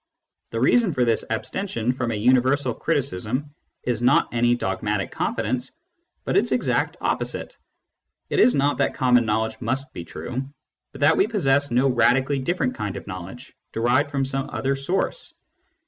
The reason for this abstention from a universal criticism is not any dogmatic confidence, but its exact opposite ; it is not that common knowledge must be true, but that we possess no radically different kind of knowledge derived from some other source.